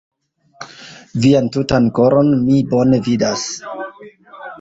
Vian tutan koron mi bone vidas.